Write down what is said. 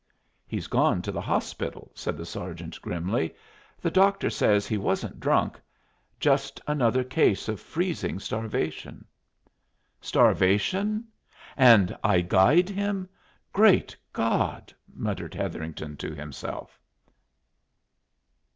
"He's gone to the hospital," said the sergeant, grimly. "The doctor says he wasn't drunk just another case of freezing starvation." "Starvation? And I guyed him! Great God!" muttered Hetherington to himself.